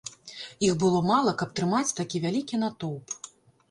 Іх было мала, каб трымаць такі вялікі натоўп.